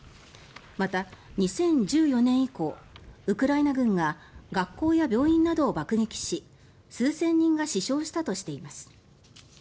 また、２０１４年以降ウクライナ軍が学校や病院などを爆撃し数千人が死傷したとしています。